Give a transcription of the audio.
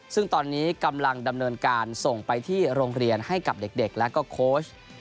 ซึ่งตอนนี้กำลังดำเนินการส่งไปที่โรงเรียนให้กับเด็กและก็โค้ช